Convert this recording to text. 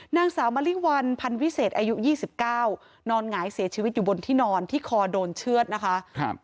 นางสาวมะลิวัลพันวิเศษอายุ๒๙นอนหงายเสียชีวิตอยู่บนที่นอนที่คอโดนเชื่อดนะคะ